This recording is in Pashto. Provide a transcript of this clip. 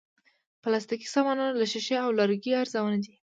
پلاستيکي سامانونه له شیشې او لرګي ارزانه دي.